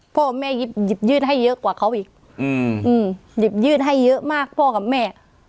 พ่อแม่หยิบยืดให้เยอะกว่าเขาอีกหยิบยืดให้เยอะมากพ่อกับแม่